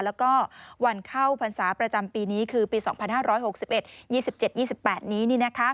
แล้วก็วันเข้าพรรษาประจำปีนี้คือปี๒๕๖๑๒๗๒๘นี้